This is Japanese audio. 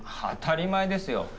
当たり前ですよ。